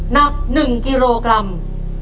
นักหนึ่งกิโลกรัม